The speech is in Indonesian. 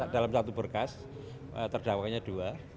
dalam satu berkas terdakwanya dua